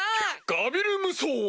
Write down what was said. ガビル無双を。